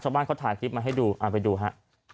ชาวบ้านเขาถ่ายคลิปมาให้ดูเอาไปดูฮะ